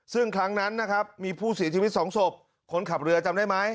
ซึ่งครั้งนั้นนะครับมีผู้เสียชีวิตสองศพคนขับเรือจำได้ไหม